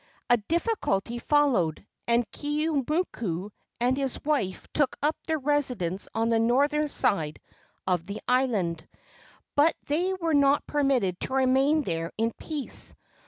A difficulty followed, and Keeaumoku and his wife took up their residence on the northern side of the island. But they were not permitted to remain there in peace.